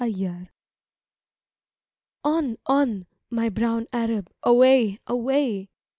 THE ARAB. ON, on, my brown Arab, away, away!